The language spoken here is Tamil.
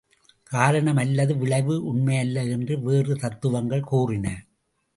காரணம் அல்லது விளைவு உண்மையல்ல என்று வேறு தத்துவங்கள் கூறின.